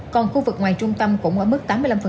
còn khu vực ngoài trung tâm cũng ở mức tám mươi năm